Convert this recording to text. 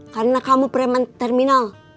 karena kamu preman terminal